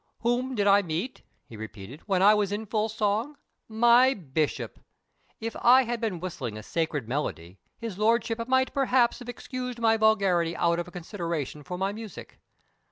"Whom did I meet," he repeated, "when I was in full song? My bishop! If I had been whistling a sacred melody, his lordship might perhaps have excused my vulgarity out of consideration for my music.